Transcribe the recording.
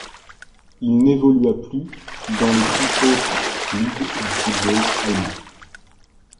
Il n’évolua plus dans les plus hautes ligues du football allemand.